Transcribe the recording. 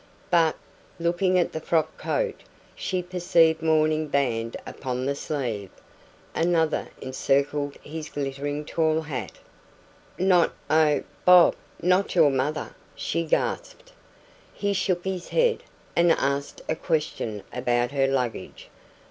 But, looking at the frock coat, she perceived mourning band upon the sleeve. Another encircled his glittering tall hat. "Not oh, Bob! not your mother?" she gasped. He shook his head, and asked a question about her luggage.